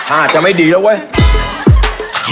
อาจจะไม่ดีแล้วเว้ย